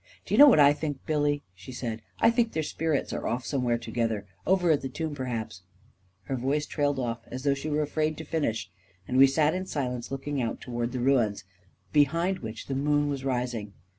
" Do you know what I think, Billy," she said. *' I think their spirits are off somewhere together — over at the tomb, perhaps ..." Her voice trailed off as though she were afraid to finish, and we sat in silence, looking out toward the ruins, behind which the moon was rising.